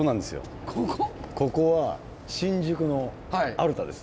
ここは新宿のアルタです。